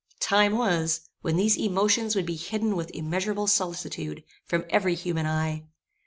Time was, when these emotions would be hidden with immeasurable solicitude, from every human eye.